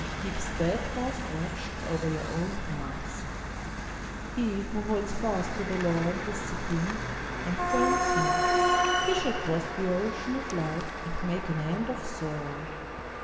Keep steadfast watch over your own hearts. He who holds fast to the law and discipline, and faints not, he shall cross the ocean of life and make an end of sorrow.